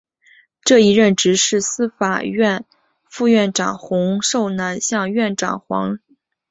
这一任职是司法院副院长洪寿南向院长黄少谷推荐的结果。